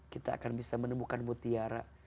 kita akan bisa menemukan mutiara